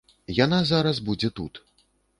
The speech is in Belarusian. Яна зараз будзе тут.